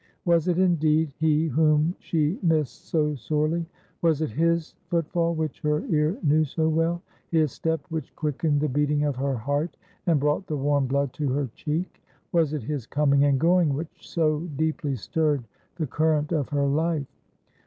Was it indeed he whom she missed so sorely ? Was it his footfall which her ear knew so well ; his step which quickened the beating of her heart, and brought the warm blood to her cheek ? Was it his coming and going which so deeply stirred the current of her life